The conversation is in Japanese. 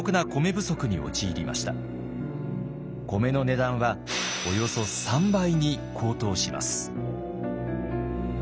米の値段はおよそ３倍に高騰します。